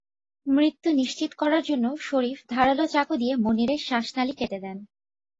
মৃত্যু নিশ্চিত করার জন্য শরিফ ধারালো চাকু দিয়ে মনিরের শ্বাসনালি কেটে দেন।